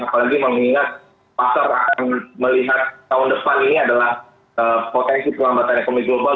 apalagi mengingat pasar akan melihat tahun depan ini adalah potensi perlambatan ekonomi global